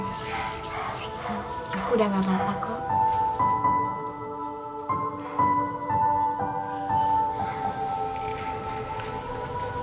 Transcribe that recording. aku udah gak apa apa kok